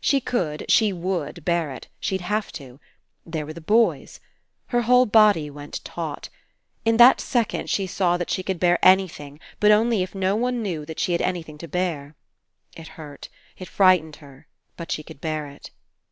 She could, she would bear it. She'd have to. There were the boys. Her whole body went taut. In that second she saw that she could bear anything, but only if no one knew that she had anything to bear. It hurt. It frightened her, but she could bear it.